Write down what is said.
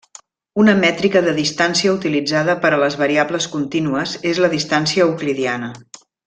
Una mètrica de distància utilitzada per a les variables contínues és la distància euclidiana.